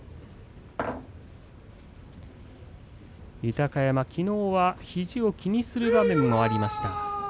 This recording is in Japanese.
豊山きのうは肘を気にする場面もありました。